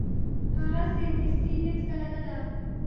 هغسې نیستي هیڅکله نه ده.